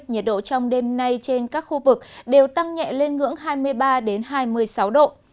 nhiệt độ trong đêm nay trên các khu vực đều tăng nhẹ lên ngưỡng hai mươi ba hai mươi sáu độ